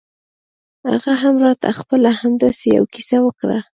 هغه هم راته خپله همداسې يوه کيسه وکړه.